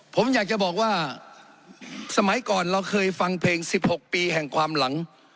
ผมอยากจะบอกว่าสมัยก่อนเราเคยฟังเพลง๑๖ปีแห่งความหลัง